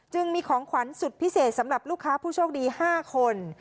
จึงมีของขวัญสุดพิเศษสำหรับลูกค้าผู้โชคดี๕คน